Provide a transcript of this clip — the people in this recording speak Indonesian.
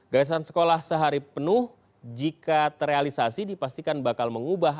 gayasan sekolah sehari penuh jika terrealisasi dipastikan bakal mengubah